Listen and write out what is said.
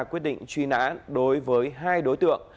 quyết định truy nã đối với hai đối tượng